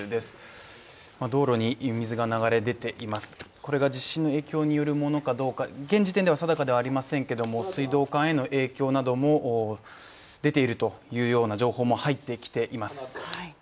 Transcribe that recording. これが地震の影響によるものかどうか現時点では定かではありませんけど水道管への影響なども出ているという情報も入ってきています。